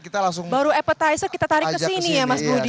kita langsung ajak ke sini ya mas budia